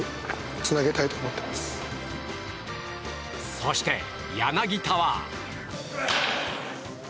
そして、柳田は。